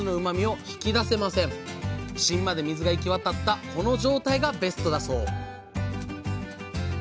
芯まで水が行き渡ったこの状態がベストだそう